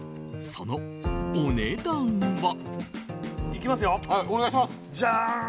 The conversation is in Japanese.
そのお値段は。